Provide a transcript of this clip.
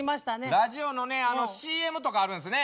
ラジオのねＣＭとかあるんすね。